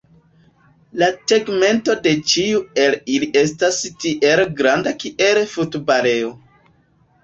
La tegmento de ĉiu el ili estas tiel granda kiel futbalejo.